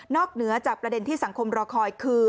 เหนือจากประเด็นที่สังคมรอคอยคือ